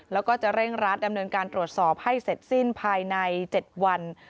แล้วก็จะเร่งรัดดำเนินการตรวจสอบให้เสร็จสิ้นภายใน๗วัน